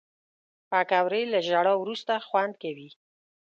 پکورې له ژړا وروسته خوند کوي